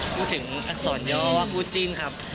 พูดถึงอักษรย่อว่าคู่จิ้นครับ